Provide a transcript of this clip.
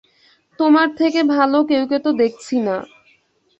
তোমার থেকে ভালো কেউকে তো দেখছি না।